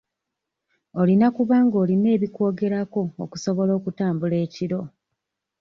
Olina okuba nga olina ebikwogerako okusobola okutambula ekiro.